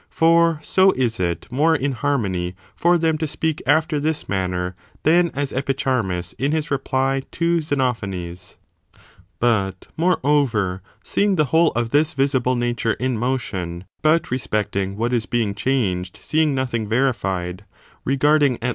For so is it more in harmony for them to speak after this manner than as Epicharmus^ in his reply to Xenophanes. But, moreover, seeing the whole of this visible 7. secondly, nature in motion, but respecting what is being JJJJ^ ^J®jj °®" changed seeing nothing verified, — ^regarding, 'at change.